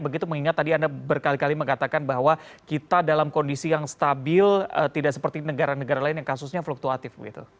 begitu mengingat tadi anda berkali kali mengatakan bahwa kita dalam kondisi yang stabil tidak seperti negara negara lain yang kasusnya fluktuatif begitu